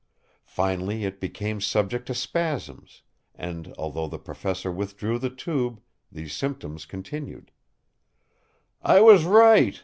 Finally it became subject to spasms, and, although the professor withdrew the tube, these symptoms continued. "I was right!"